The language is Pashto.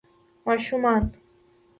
ماشومان